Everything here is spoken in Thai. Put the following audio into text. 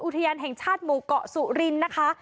อุทยานแห่งชาติหมู่เกาะสุรินทร์นะคะ